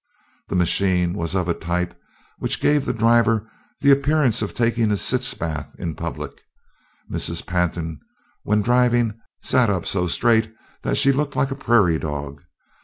The machine was of a type which gave the driver the appearance of taking a sitz bath in public. Mrs. Pantin when driving sat up so straight that she looked like a prairie dog.